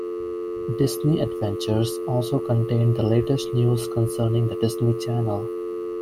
"Disney Adventures" also contained the latest news concerning the Disney Channel.